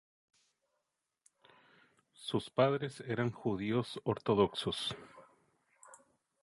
Sus padres eran judíos ortodoxos.